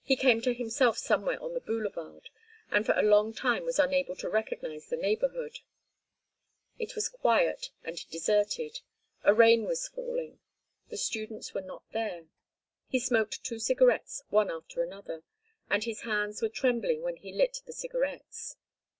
He came to himself somewhere on the boulevard and for a long time was unable to recognise the neighbourhood. It was quiet and deserted. A rain was falling. The students were not there. He smoked two cigarettes, one after another, and his hands were trembling when he lit the cigarettes....